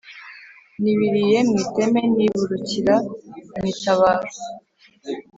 nibiliye mu iteme niburukira mu itabaro,